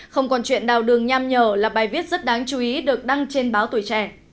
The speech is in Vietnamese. không còn chuyện đào đường nham nhở là bài viết rất đáng chú ý được đăng trên báo tuổi trẻ